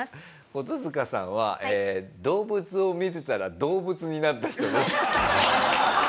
コトヅカさんは動物を見てたら動物になった人です。